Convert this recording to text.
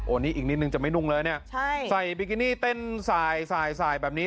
อันนี้อีกนิดนึงจะไม่นุ่งเลยเนี่ยใช่ใส่บิกินี่เต้นสายสายสายแบบนี้